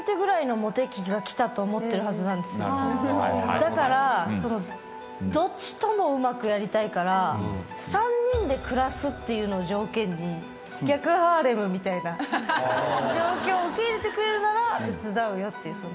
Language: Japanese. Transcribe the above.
だからどっちともうまくやりたいから３人で暮らすというのを条件に逆ハーレムみたいな状況を受け入れてくれるなら手伝うよって。